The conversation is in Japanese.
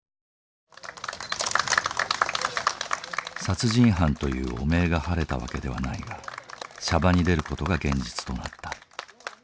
「殺人犯」という汚名が晴れたわけではないが娑婆に出る事が現実となった。